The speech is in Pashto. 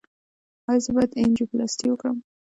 ایا زه باید انجیوپلاسټي وکړم؟